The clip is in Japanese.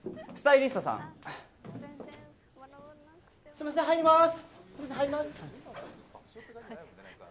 すいません、入りまーす。